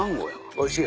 おいしい。